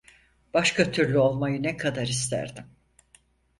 Başka türlü olmayı ne kadar isterdim.